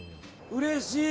うれしい！